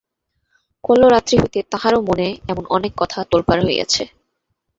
কল্য রাত্রি হইতে তাঁহার মনেও এমন অনেক কথা তোলপাড় হইয়াছে।